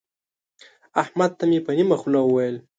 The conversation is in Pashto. احمد ته مې په نيمه خوله وويل.